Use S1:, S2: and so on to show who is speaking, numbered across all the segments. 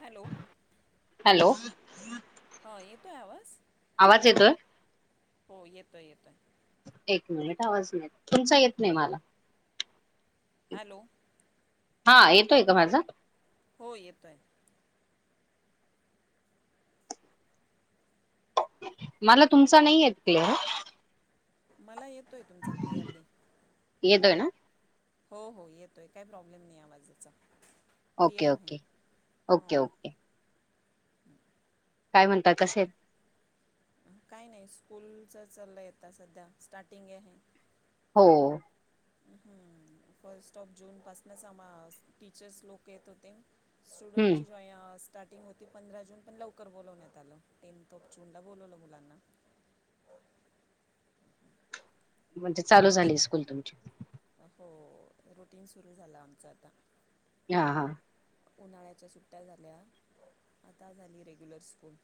S1: Hello!
S2: Hello!
S1: येतोय आवाज?
S2: आवाज येतोय?
S1: हो येतोय येतोय.
S2: एक मिनिट आवाज नाही, तुमचा येत नाही मला?
S1: हॅलो!
S2: हा येतोय, का माझा?
S1: हो येतोय.
S2: मला तुमचा नाही येत क्लिअर.
S1: मला येतोय, तुमचा क्लिअरली.
S2: येतोय ना
S1: हो हो येतोय, काही प्रॉब्लेम नाही आवाजाचा.
S2: ओके
S1: क्लिअर आहे
S2: ओके ओके
S1: हो
S2: ओके! काय म्हणतात कसे?
S1: काय नाही स्कूलच चाललं आता सध्या स्टार्टिंग आहे.
S2: हो.
S1: हम्म फर्स्ट ऑफ जून पासूनच आ टीचर्स लोक येत होते.
S2: हम्म
S1: स्टुडंटची जॉयंस स्टार्टिंग होती पंधरा जून, पण लवकर बोलवण्यात आलं टेन्थ ऑफ जून ला बोलवलं मुलांना. [inaudible]
S2: म्हणजे चालू झाली
S1: ॲक्च्युली
S2: स्कूल तुमची?
S1: हो, रुटीन सुरू झालं आमचं आता.
S2: हां, हां!
S1: उन्हाळ्याच्या सुट्ट्या झाल्या, आता झाली रेग्युलर स्कूल.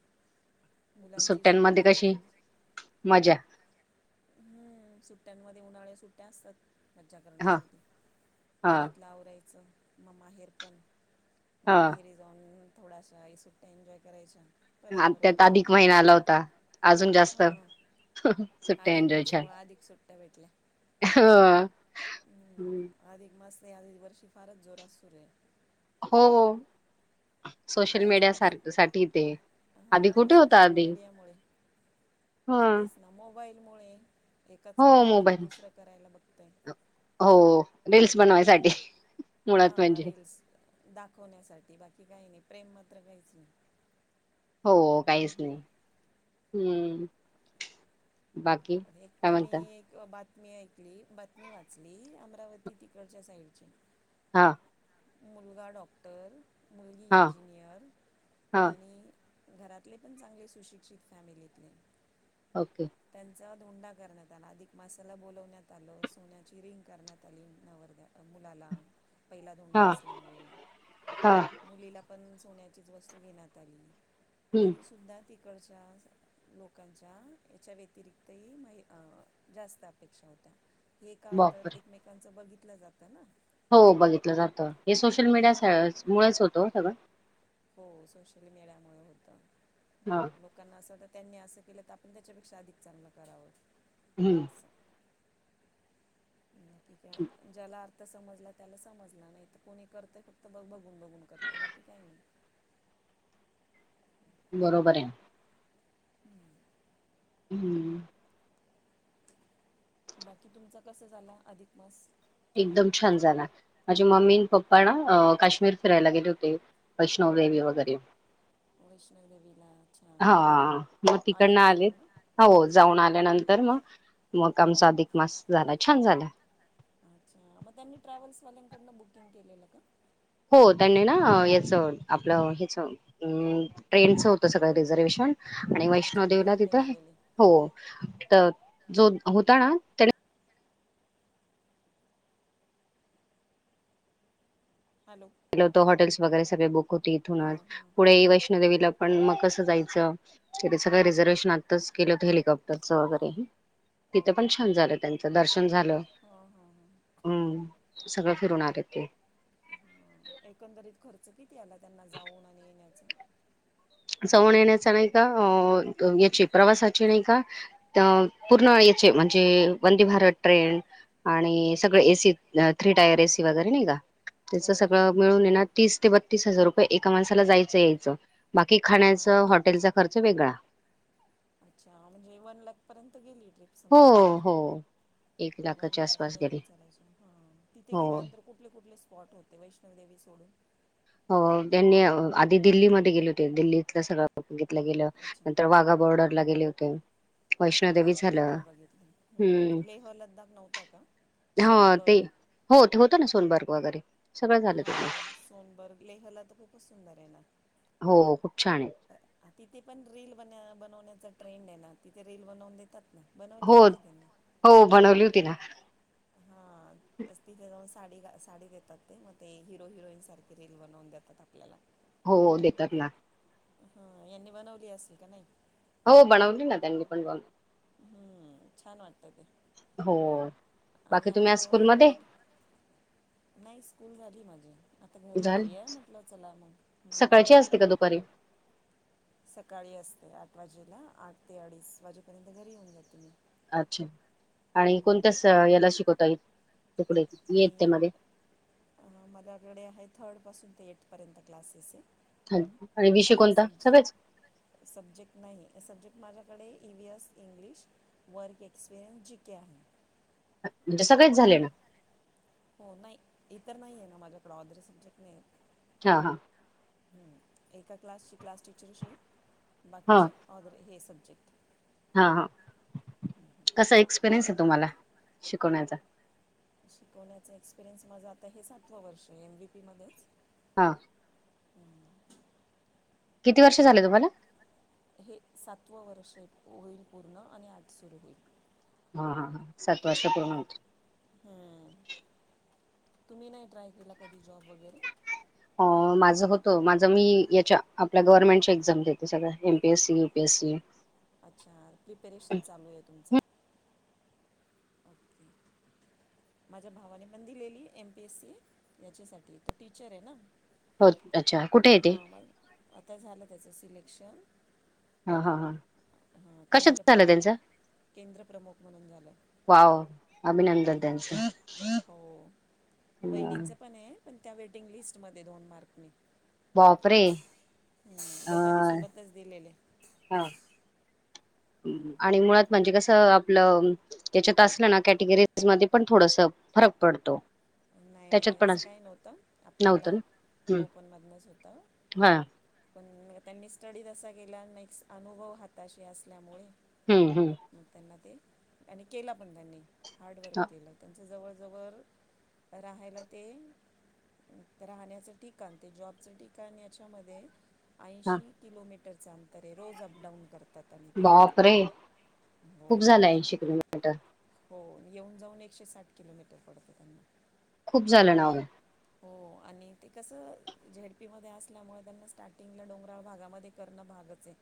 S1: मुलांची सुरू
S2: सुट्ट्यांमध्ये
S1: झाली
S2: कशी
S1: आणि
S2: मजा!
S1: हम्म सुट्ट्यांमध्ये उन्हाळ्या सुट्ट्या असतात. मज्जा
S2: हा
S1: करण्यासाठी,
S2: हा
S1: घरातलं आवरायचं म माहेरपण. मग
S2: हा
S1: माहेरी जाऊन थोडासा सुट्ट्या एन्जॉय करायच्या. परत
S2: हा
S1: मग
S2: त्यात
S1: रुटीन
S2: अधिक
S1: आपलं
S2: महिना आला होता अजून जास्त
S1: हां
S2: सुट
S1: अधिक मासामुळे अधिक सुट्ट्या भेटल्या.
S2: हं
S1: हम्म! आधिक मास् तर यावेळी वर्षी फारच जोरात सुरु आहे.
S2: हो, हो.
S1: पण
S2: सोशल
S1: त्याचं
S2: मीडिया सार
S1: तर
S2: साठी ते, आधी
S1: हां
S2: कुठे होता
S1: सोशल
S2: आधी?
S1: मीडियामुळे
S2: ह
S1: तेच ना मोबाईल मुळे, एकाचं
S2: हो
S1: बघितलं तर
S2: मोबाईल
S1: दुसरं करायला बघतय.
S2: हो. रील्स बनवायसाठी मुळात
S1: हां.
S2: म्हणजे
S1: रीलल्स दाखवण्यासाठी बाकी काही नाही प्रेम मात्र काहीच नाही.
S2: हो काहीच नाही हम.
S1: एक तर मी किंवा बात मी ऐकली बातमी वाचली अमरावती तिकडच्या साईडची.
S2: हा.
S1: मुलगा डॉक्टर मुलगी
S2: हा
S1: इंजिनियर
S2: हा
S1: आणि घरातले पण चांगले सुशिक्षित फॅमिलीतले.
S2: ओके!
S1: त्यांचा धोंडा करण्यात आला अधिक मसाला बोलवण्यात आलं सोन्याची रिंग करण्यात आली, नवरदेवाला. मुलाला पहिला धोंडा
S2: हा
S1: असल्यामुळे
S2: हा
S1: मुलीला पण पण सोन्याचीच वस्तू घेण्यात आली,
S2: हम्म
S1: तरी सुद्धा तिकडच्या लोकांच्या याच्या व्यतिरिक्तही महि- जास्त अपेक्षा होत्या. हे का तर
S2: बापर
S1: एकमेकांचं बघितलं जातं ना.
S2: हो बघितलं जातं हे सोशल
S1: हां
S2: मीडिया मुळच होतं ओ सगळं.
S1: हो, सोशल मीडियामुळे होत
S2: हा
S1: लोकांना असं तर त्यांनी असं केलं तर आपण त्याच्यापेक्षा अधिक चांगलं करावं.
S2: हम.
S1: ठीक हाय, ज्याला अर्थ समजला त्याला समजला नाही तर कोणी करत फक्त ब बघ गुण बघुन करतयं बाकी काही नाही.
S2: बरोबर आहे. हम.
S1: बाकी तुमचा कस झाला, अधिक मास.
S2: एकदम छान झाला, माझी मम्मी आणि पप्पा ना काश्मीर फिरायला गेले होते वैष्णव वेणी वगैरे
S1: वैष्णो देवीला
S2: हा मग तिकडन आलेत
S1: ना
S2: हो जाऊन आल्यानंतर मग मग आमचा अधिक मास झाला छान झाला
S1: अच्छा मग त्यांनी ट्रॅवल्स वाल्यांकडनं बुकिंग केलेलं का
S2: हो त्यांनी ना याच आपलं हच ट्रेनचं होतं सगळं रिझर्वेशन आणि
S1: अच्छा
S2: वैष्णो देेवला
S1: ट्रेनने
S2: तिथं
S1: गेलेली
S2: हो तर जो होता ना त्याने
S1: हॅलो
S2: होत हॉटेल्स वगैरे सगळे बुक होते
S1: हां
S2: इथूनच
S1: हां
S2: पुढे वैष्णो देवीला पण मग कसं जायचं सगळं रिझर्वेशन आत्ताच केलंत हेलिकॉप्टरचं वगैरे तिथं
S1: ओके
S2: पण छान झालं त्यांचं दर्शन झालं
S1: हां हां हां
S2: हम् सगळं ठरणार येत ते
S1: हां एकंदरीत खर्च किती आला त्यांना जाऊन आणि येण्याचा
S2: जाऊन येण्याचा नाही का याची प्रवासाची नाही का पूर्ण म्हणजे वंदे भारत ट्रेन आणि सगळ एसी थ्री टायर एसी वगैरे नाही का त्याच
S1: हो हो
S2: सगळं मिळून ये ना तीस ते बत्तीस हजार रुपये एका माणसाला जायचं यायचं बाकी
S1: हां
S2: खाण्याचा हॉटेलचा खर्च वेगळा
S1: अच्छा म्हणजे वन लॅख पर्यंत गेली ट्रिप समजायची
S2: हो हो एकदा
S1: वन लॅक भरून लाय तिथे
S2: हो
S1: गेल्यानंतर कुठले कुठले स्पॉट होते वैष्णव देवी सोडून
S2: हो त्यांनी आधी दिल्लीमध्ये गेले होते दिल्लीतला सगळ घितलं गेलं
S1: अच्छा
S2: नंतर वाघा बॉर्डरला गेले होते वैष्णोदेवी
S1: बाघा
S2: झालं
S1: बॉर्डर
S2: हम्म
S1: बघितली लेह लद्दाख नव्हता का
S2: हा ते
S1: सोनबर्ग
S2: हो ते होतं ना सोनबर्ग वगैरे सगळं झालं तुमही
S1: पल्ईहला त क क सुंदरे ना
S2: हो खूप छान आहे
S1: तिथे पण रीलील बन बनवण्या ट्रेन आहे ना तिथे रेल बनवून देतात ना बनवली
S2: हो
S1: की नाही
S2: हो बनवली होती ना
S1: हा असती जगा साडी ग साडी देतात ते मग ते हिरो हिरोईन सारखी रील बनवून देतात आपल्याला
S2: हो देतात ना
S1: हा यांनी बनवली असे का नाही
S2: हो बनवली ना त्यांनी पण ब
S1: ह छान वाटतात
S2: हो
S1: आणि
S2: बाकी तुम्ही
S1: आम्ही
S2: आज
S1: जवळ जवळ
S2: स्कूलमध्ये?
S1: नाही स्कूल झाली माझी आता घरी
S2: झाली.
S1: आलीय म्हटलं चला मग हम्
S2: सकाळची असते का दुपारी?
S1: सकाळी असते आठ वाजेला आठ ते अडीच वाजेपर्यंत घरी येऊन जाात तुम्ही
S2: अच्छा आणि कोणत्या याला शिकवताईत तुकडे येत त्या
S1: मी
S2: मध्ये
S1: माझ्याकडे आहे थर्ड पासून ते एथ पर्यंत क्लासेस आहे
S2: हं. आणि विषय
S1: ह
S2: कोणता? सगळेच
S1: सब्जेक्ट नाही सब्जेक्ट माझ्या माझ्याकडे E V S English work experience जके आहे
S2: म्हणजे सगळेच झाले ना?
S1: हो नाही इतर नाही आहे ना माझ्याकडें ऑर्दरी सब्जेक्ट नाही
S2: हा हा
S1: ् एका क्लासची क्लास टीचरशी
S2: हा
S1: बाकीचे ऑदर हे सब्जेक्ट
S2: हा हा असा एक्सपिरियन्स आहे तुम्हाला शिकवण्याचा
S1: शिकवण्याचा एक्सपिरियनस माझा आता हे सातवा वर्ष एमबीपी मध्येच
S2: हा किती वर्ष झाले तुम्हाला
S1: हे सातवं वर्ष होईल पूर्ण आणि आज सुरू होईल.
S2: हा, हा, हा. सात वर्ष पूर्ण होत
S1: हम्म. तुम्ही नाही ट्राय केला कधी? जॉब वगैरे
S2: अ, माझं होत माझ मी याच्या आपल्या गव्हर्नमेंटच्या एक्झाम देते सगळ्या एमपीएससी, युपीएससी
S1: अच्छा! प्रिपेरेशन चालू आहे तुमचं? ओके. माझ्या भावाने पण दिलेली एमपीएस सी याच्यासाठी तो टीचर आहे ना.
S2: हो अच्छा! कुठे येते?
S1: हां मग झालं त्याचं सिलेक्शन.
S2: हा, हा, हा.
S1: हा.
S2: कशात
S1: केंद्र
S2: झालं
S1: प्रमुख,
S2: त्यांचं
S1: केंद्र प्रमुख म्हणून झालं.
S2: नंतर त्यांच
S1: हो
S2: म
S1: वहिनींचं पण आहे पण त्या वेटिंग लिस्टमध्ये दोन मार्क नी.
S2: बापरे!
S1: दोघांनी
S2: अं
S1: सोबतच दिलेले
S2: हा.
S1: हम्म.
S2: आणि मुळात म्हणजे कस आपलं त्याच्यात असलं ना कॅटेगरीज मध्ये पण थोडस फरक पडतो.
S1: नाही,
S2: त्याच्यात
S1: नाही
S2: पण
S1: असं काही नव्हतं
S2: नव्हतं
S1: आपल्याला
S2: ना हम्म
S1: ओपनमधनच होतं.
S2: हा
S1: पण त्यांनी स्टडी तसा केल्यान एक अनुभव हाताशी असल्यामुळे
S2: हम्म हम्म
S1: मग त्यांना ते आणि केला पण त्यांनी हार्डवर्क केलं त्यांच्या जवळजवळ राहायला ते राहण्याचं ठिकाण ते जॉबचं ठिकाण याच्यामध्ये
S2: हा
S1: ऐंशी किलोमीटरचं अंतर आहे रोज अपडाऊन कर
S2: बाप रे!
S1: हो
S2: खूप झालं ऐंशी किलोमीटर.
S1: हो, येऊन जाऊन एकशे साठ किलोमीटर पडतं त्यांना.
S2: खूप झालं ना ओ.
S1: हो आणि ते कसं झेड पी मध्ये असल्यामुळे त्यांना स्टार्टिंगला डोंगराळ भागामध्ये करणं भागच आहे.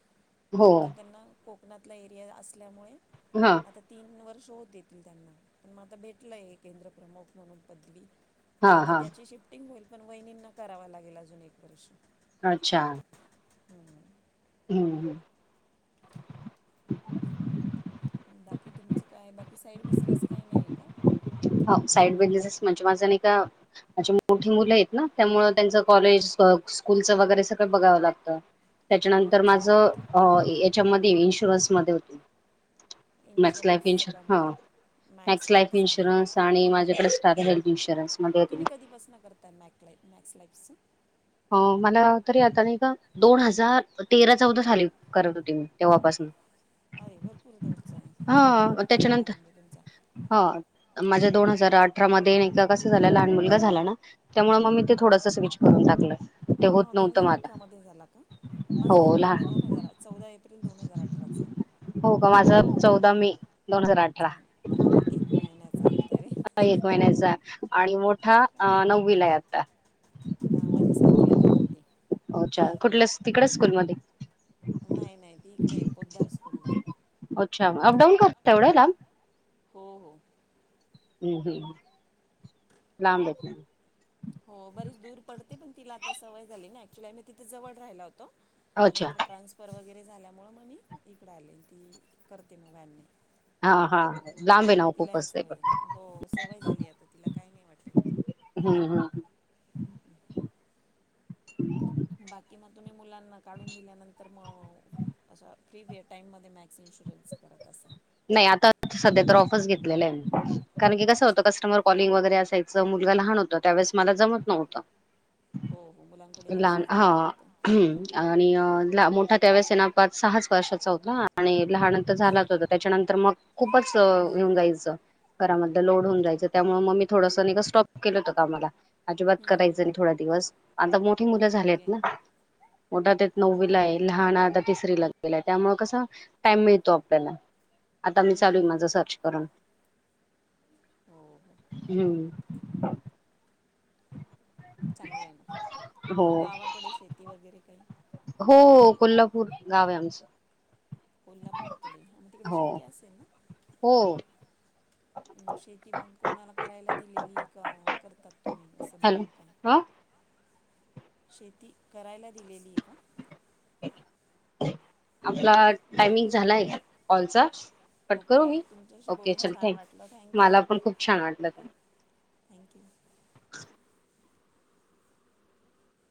S2: हो
S1: मग तो त्यांना कोकणातला एरिया असल्यामुळे,
S2: हा
S1: आता तीन वर्ष हो देतील त्यांना, पण मग आता भेटलंय हे केंद्र प्रमुख म्हणून पदवी.
S2: हा हा.
S1: निफ्टिंग होईल, पण वहिनींना करावा लागेल अजून एक वर्ष.
S2: अच्छा.
S1: हम्म.
S2: हम्म हम्म
S1: बाकी तुमचं काय, बाकी साईड बिझनेस काय नाही आहे का?
S2: साईड बिझनेसेस म्हणजे माझं नाही का, माझी मोठी मुलं आहेत ना त्यामुळं त्यांचं कॉलेज मग स्कूलचं वगैरे सगळं बघावं लागतं. त्याच्यानंतर
S1: अच्छा
S2: माझं अ याच्यामध्ये इन्शुरन्समध्ये होती मी. मॅक्स लाइफ
S1: इन्शुरन्सचं
S2: इश
S1: काम
S2: हा
S1: कर
S2: मॅक्स लाईफ इन्शुरन्स. आणि माझ्याकडे स्टार हेल्थ इन्शुरन्स मध्ये होती.
S1: तुम्ही कधीपासनं करताय मॅक मॅक्स लाईफचं?
S2: हो, मला तरी आता नाही का, दोन हजार तेरा चौदा साली करत होती मी तेव्हापासून.
S1: अय भरपूर दूरचा आहे, अनुभव
S2: हा
S1: मग चांगला हाय
S2: त्याच्यानंतर
S1: म्हणजे तुमचा.
S2: हा, माझ्या दोन हजार अठरा मध्ये अन एकदा कसं झालं लहान मु लगा झाला ना, त्यामुळं मग मी ते थोडसं स्विच करून टाकलं. ते होत
S1: हा दोन
S2: नव्हतं
S1: हजार
S2: मला
S1: अठरा मध्ये झाला का? माझा ही
S2: हो लहान
S1: मुलगा दोन हजारा चौदा एप्रिल दोन हजार अठराचा.
S2: हो का माझं चौदा मे. दोन हजार
S1: च
S2: अठरा
S1: हा एक महिन्याचा अं
S2: एक महिन्याचा आणि मोठा अ नऊवीला आहे आता.
S1: हां माझी सातवीला आहे मोठी
S2: ओ अच्छा, कुठल्या तिकडंच स्कूल मध्ये?
S1: नाही नाही, ती इकडे पोद्दार स्कूलला.
S2: अच्छा अपडाऊन करता एवढं लांब?
S1: हो हो.
S2: हम्म हम्म, लांब आहेत म्हणजे.
S1: हो, बरीच दूर पडते पण तिला आता सवय झाली ना, एक्च्युअली आम्ही तिथे जवळ राहिला हो तो
S2: अच्छा
S1: नंतर ट्रान्सफर वगैरे झाल्यामुळे मग मी इकडं आले, अन ती करते मग व्हॅनने.
S2: हा हा. लांब आहे ना
S1: तिलाही
S2: खूपच ते
S1: सवय
S2: पण
S1: झाली, हो सवय झाली आता तिला काही नाही वाटत.
S2: हम्म हम्म
S1: हम्म हम्म.
S2: [unintelligible]
S1: बाकी मग तुम्ही मुलांना काढून दिल्यानंतर मग असं फ्री टाइम मध्ये मॅ च इंशुरन्सच करत असाल?
S2: नाही आता सध्या तर ऑफच घेतलेला आहे मी, कारण की कसं होतं
S1: अच्छा
S2: कस्टमर कॉलिंग वगैरे असय च मुलगा लहान होता त्यावेळेस मला जमत नव्हतं.
S1: हो हो मुलांकडे
S2: लहान
S1: लक्षच द्यावं
S2: हा
S1: लागतं
S2: आणि अ ना मोठा त्यावेळेस आहे ना पाच सहाच वर्षाचा होता आणि लहान आता झालाच होता, त्याच्यानंतर मग खूपच अ येऊन जायचं. घरामध्ये लोड होऊन जायचं, त्यामुळे मग मी थोडंसं नाई का स्टॉप केलं होतं कामाला. अजिबात
S1: हं,
S2: करायचं
S1: हं.
S2: नाही थोड्या दिवस, आता मोठी मुलं
S1: ओके
S2: झालेत ना. मोठा तेत
S1: हो
S2: नववी
S1: हो
S2: ला आहे लहान आता तिसरी ला गेलाय, त्यामुळे कसं टाइम मिळतो आपल्याला, आता मी
S1: हं,
S2: चालूय
S1: हं.
S2: माझं सर्च करून.
S1: हो हो
S2: हम्म.
S1: चांगले आहे ना,
S2: हो
S1: मग गावाकडे शेती वगैरे काही?
S2: हो कोल्हापूर गाव आहे आमचं.
S1: कोल्हापूरकडे, हा मग तिकडे
S2: हो
S1: शेती असेल ना?
S2: हो.
S1: म शेती मग कोणाला करायला दिलेली का, कर तात तुम्ही, असं
S2: हॅलो
S1: बघून का?
S2: हा
S1: शेती करायला दिलेली आहे का?
S2: आपला टाइमिंग झालाय कॉलचा. कट करू
S1: ओके
S2: मी?
S1: तुमच्याशी
S2: ओके
S1: बोलून
S2: चल थँ,
S1: छान वाटलं थँक्यू
S2: मला पण खूप छान वाटलं.
S1: थँक्यू!